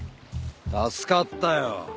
助かったよ！